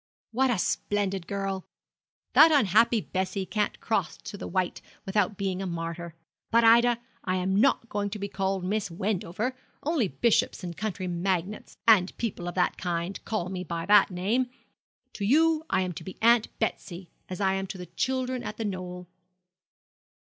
'What a splendid girl! That unhappy little Bessie can't cross to the Wight without being a martyr. But, Ida, I am not going to be called Miss Wendover. Only bishops and county magnates, and people of that kind, call me by that name. To you I am to be Aunt Betsy, as I am to the children at The Knoll.'